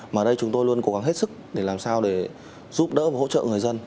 mà đây chúng tôi luôn cố gắng hết sức để làm sao để giúp đỡ và hỗ trợ người dân